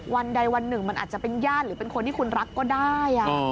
วันใดวันหนึ่งมันอาจจะเป็นญาติหรือเป็นคนที่คุณรักก็ได้